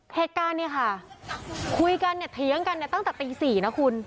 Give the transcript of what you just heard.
เหตุการณ์เนี่ยค่ะคุยกันเนี่ยเถียงกันเนี่ยตั้งแต่ตี๔นะคุณ